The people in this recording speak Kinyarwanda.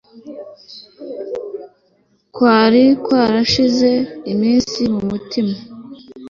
kwari kwarashinze imizi mu mutima